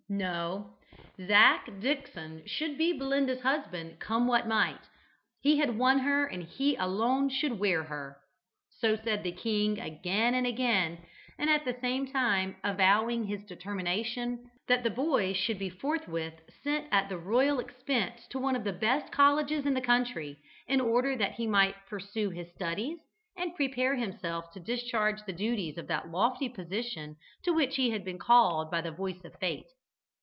No: "Zac" Dickson should be Belinda's husband, come what might. "He had won her and he alone should wear her." So said the king again and again, at the same time avowing his determination that the boy should be forthwith sent at the royal expense to one of the best colleges in the country, in order that he might pursue his studies, and prepare himself to discharge the duties of that lofty position to which he had been called by the voice of Fate.